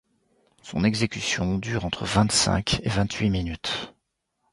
Son exécution dure entre vingt-cinq et vingt-huit minutes.